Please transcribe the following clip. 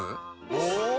お！